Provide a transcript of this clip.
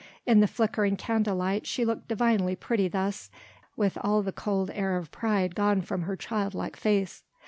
In the flickering candle light she looked divinely pretty thus, with all the cold air of pride gone from her childlike face.